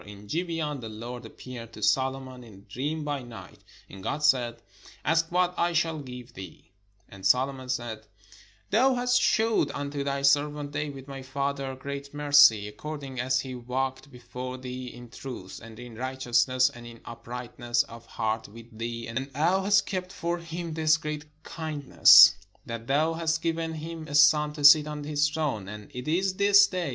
In Gibeon the Lord appeared to Solomon in a dream by night: and God said: "Ask what I shall give thee." 560 THE STORY OF KING SOLOMON And Solomon said: "Thou hast shewed unto thy servant David my father great mercy, according as he walked before thee in truth, and in righteousness, and in uprightness of heart with thee; and thou hast kept for him this great kindness, that thou hast given him a son to sit on his throne, as it is this day.